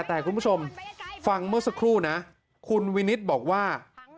แต่คุณผู้ชมฟังเมื่อสักครู่นะคุณวินิตบอกว่า